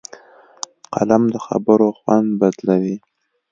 قلم د خبرو خوند بدلوي